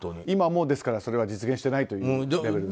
今、ですからそれは実現していないということ